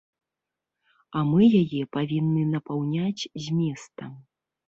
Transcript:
А мы яе павінны напаўняць зместам.